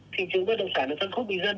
thị trường bất động sản và phân khúc bì dân